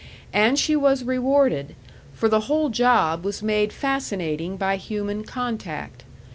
And she was rewarded, for the whole job was made fascinating by human contact.